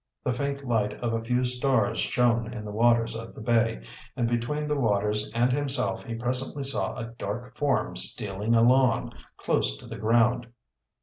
The faint light of a few stars shone in the waters of the bay, and between the waters and himself he presently saw a dark form stealing along, close to the ground.